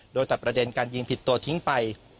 โดยตัดประเด็นการยิงผิดตัวทิ้งไป